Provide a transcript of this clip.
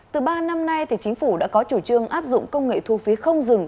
từ ba năm nay chính phủ đã có chủ trương áp dụng công nghệ thu phí không dừng